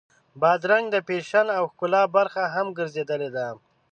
بادرنګ د فیشن او ښکلا برخه هم ګرځېدلې ده.